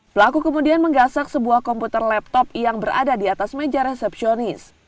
pelaku kemudian menggasak sebuah komputer laptop yang berada di atas meja resepsionis